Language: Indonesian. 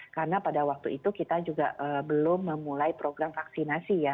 karena pada waktu itu kita juga belum memulai program vaksinasi ya